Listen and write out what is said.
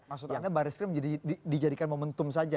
maksudnya baris krim dijadikan momentum saja